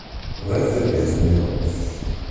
Bɣiɣ tabyirt-iḍen.